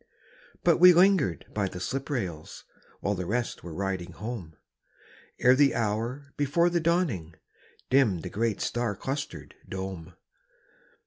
But we lingered by the slip rails While the rest were riding home, Ere the hour before the dawning, Dimmed the great star clustered dome.